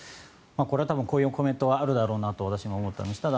これは多分こういうコメントはあるだろうなと私も思いました。